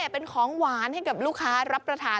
เป็นของหวานให้กับลูกค้ารับประทาน